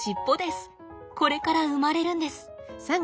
これから生まれるんです。